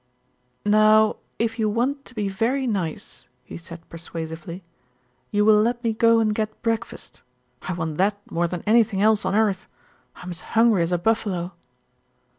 "Now, if you want to be very nice," he said per suasively, "you will let me go and get breakfast. I want that more than anything else on earth. I'm as hungry as a buffalo."